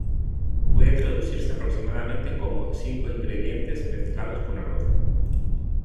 Puede traducirse aproximadamente como ‘cinco ingredientes mezclados con arroz’.